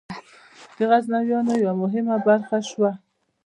د غزنویانو یوه مهمه برخه شوه.